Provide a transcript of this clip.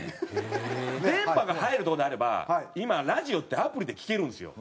電波が入るとこであれば今ラジオってアプリで聞けるんですよ。